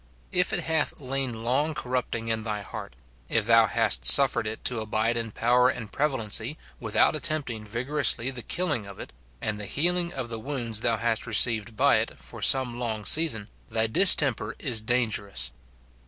— If it hath lain long corrupting in thy heart, if thou hast suffered it to abide in power and prevalency, without attempting vigorously the killing of it, and the healing of the wounds thou hast received by it, for some long season, thy distemper is dangerous.